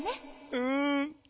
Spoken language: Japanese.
うん。